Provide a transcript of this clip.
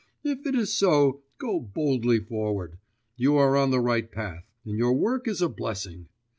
If it is so, go boldly forward, you are on the right path, and your work is a blessing!